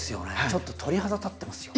ちょっと鳥肌立ってますよ。